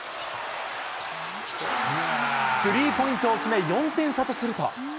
スリーポイントを決め、４点差とすると。